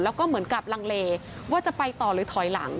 แล้วก็เหมือนกับลังเลว่าจะไปต่อหรือถอยหลัง